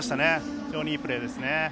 非常にいいプレーですね。